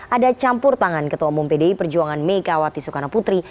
ada campur tangan ketua umum pdi perjuangan megawati soekarno putri